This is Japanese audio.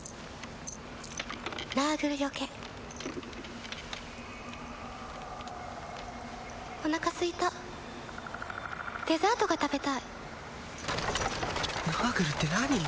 ナーグルよけおなかすいたデザートが食べたいナーグルって何？